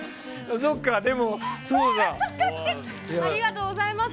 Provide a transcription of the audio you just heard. ありがとうございます。